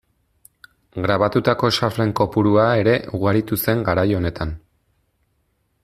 Grabatutako xaflen kopurua ere ugaritu zen garai honetan.